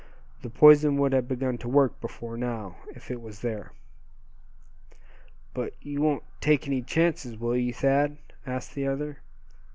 The poison would have begun to work before now, if it was there." "But you won't take any chances, will you, Thad?" asked the other.